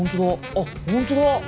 あっ本当だ！